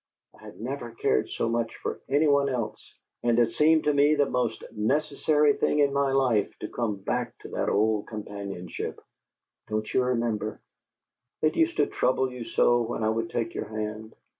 I had never cared so much for any one else, and it seemed to me the most necessary thing in my life to come back to that old companionship Don't you remember it used to trouble you so when I would take your hand?